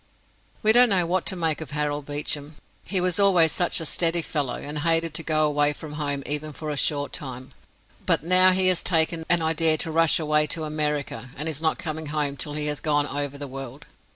We don't know what to make of Harold Beecham. He was always such a steady fellow, and hated to go away from home even for a short time, but now he has taken an idea to rush away to America, and is not coming home till he has gone over the world.